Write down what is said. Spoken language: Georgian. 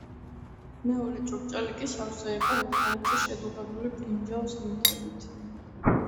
მეორე ჭურჭელი კი სავსე იყო ერთმანეთზე შედუღებული ბრინჯაოს ნივთებით.